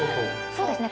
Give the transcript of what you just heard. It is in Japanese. ◆そうですね。